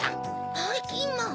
ばいきんまん？